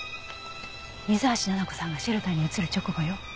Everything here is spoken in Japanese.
水橋奈々子さんがシェルターに移る直後よ。